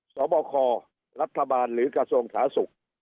สอบครรัฐบาลหรือกระทรวงฐาศุกร์